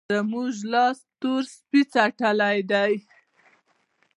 زموږ لاس تور سپی څټلی دی.